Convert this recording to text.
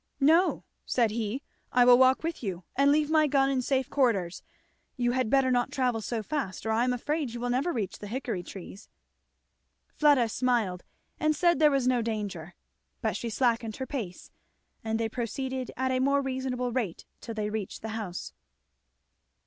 "No," said he; "I will walk with you and leave my gun in safe quarters. You had better not travel so fast, or I am afraid you will never reach the hickory trees." Fleda smiled and said there was no danger, but she slackened her pace, and they proceeded at a more reasonable rate till they reached the house.